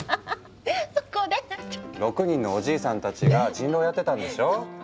６人のおじいさんたちが人狼やってたんでしょ？